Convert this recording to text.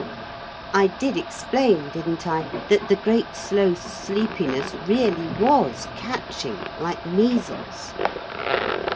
(I did explain, didn't I, that the Great Sloth's sleepiness really was catching, like measles?)